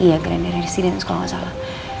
iya grande residence kalo gak salah